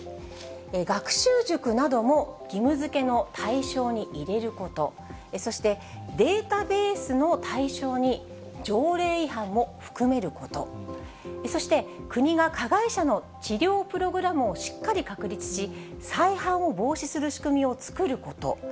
学習塾なども義務づけの対象に入れること、そして、データベースの対象に条例違反も含めること、そして、国が加害者の治療プログラムをしっかり確立し、再犯を防止する仕組みを作ること。